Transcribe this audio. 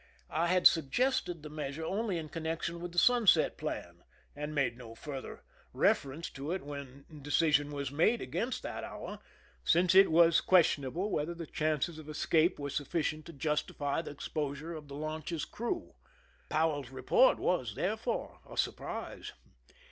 I had suggested the measure only in connection with the subset plan, and made no further reference to it when decision was made against that hour, since it was question able whether the chances of escape were sufficient to Justify the exposure of the launch's crew. Pow ell's report was, therefore, a surprise.